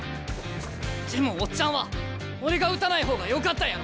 でもオッチャンは俺が打たない方がよかったやろ。